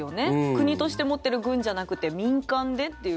国として持ってる軍じゃなくて民間でっていう。